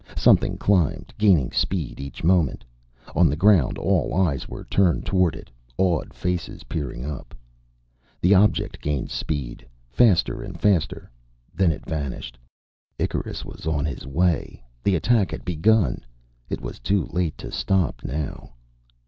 Something climbed, gaining speed each moment. On the ground, all eyes were turned toward it, awed faces peering up. The object gained speed. Faster and faster. Then it vanished. Icarus was on his way. The attack had begun; it was too late to stop, now.